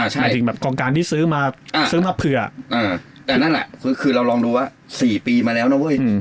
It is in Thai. หมายถึงแบบกองการที่ซื้อมาซื้อมาเผื่อแต่นั่นแหละคือเราลองดูว่า๔ปีมาแล้วนะเว้ย